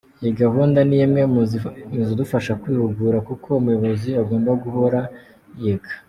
Iyi gahunda ni imwe mu zidufasha kwihugura, kuko umuyobozi agomba guhora yiga.